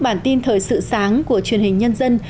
bản tin thời sự sáng của truyền hình nhân dân